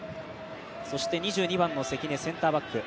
そして２２番の関根センターバック。